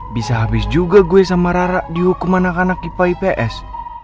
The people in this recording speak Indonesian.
bisa habis juga gue sama rara dihukum anak anak ipa ips